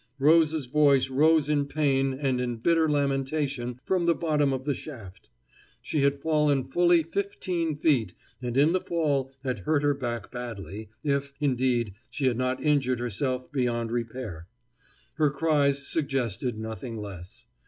Rose's voice rose in pain and in bitter lamentation from the bottom of the shaft. She had fallen fully fifteen feet, and in the fall had hurt her back badly, if, indeed, she had not injured herself beyond repair. Her cries suggested nothing less.